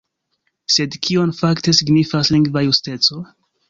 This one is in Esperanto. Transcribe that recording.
Sed kion fakte signifas lingva justeco?